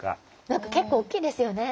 何か結構おっきいですよね。